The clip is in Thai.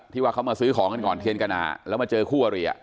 ว่าเขามาซื้อของกันก่อนเทียนกนาแล้วมาเจอคู่อริ